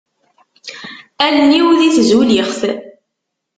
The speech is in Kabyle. Allen-iw di tzulixt.